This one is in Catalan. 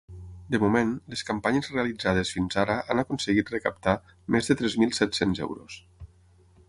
De moment, les campanyes realitzades fins ara han aconseguit recaptar més de tres mil set-cents euros.